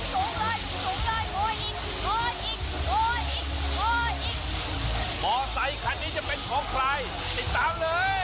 กล้อยเลยค่ะหัวใสคันนี้จะเป็นของใครติดตามเลย